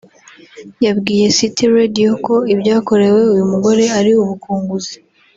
yabwiye City Radio ko ibyakorewe uyu mugore ari ubukunguzi